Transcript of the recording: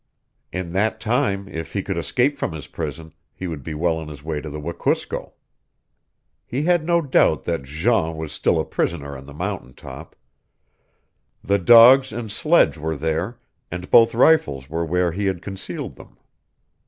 In that time, if he could escape from his prison, he would be well on his way to the Wekusko. He had no doubt that Jean was still a prisoner on the mountain top. The dogs and sledge were there and both rifles were where he had concealed them.